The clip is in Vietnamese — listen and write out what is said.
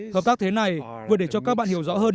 hợp tác thế này vừa để cho các bạn hiểu rõ hơn